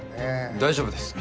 大丈夫です。